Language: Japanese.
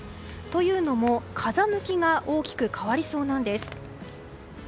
というのも、風向きが大きく変わりそうなんです。